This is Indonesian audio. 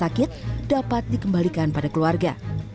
sakit dapat dikembalikan pada keluarga